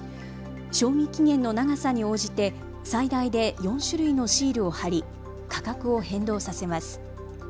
賞味期限の長さに応じて最大で４種類のシールを貼り価格を変動させます。